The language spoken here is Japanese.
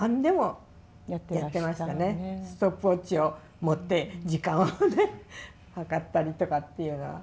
ストップウォッチを持って時間をね計ったりとかっていうのは。